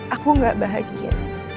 aku gak bahagia